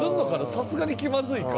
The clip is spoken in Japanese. さすがに気まずいか。